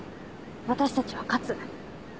私たちは勝つ。